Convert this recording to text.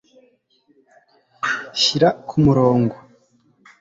Shyira kumurongo